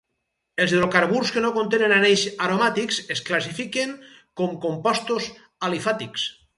Els hidrocarburs que no contenen anells aromàtics es classifiquen com compostos alifàtics.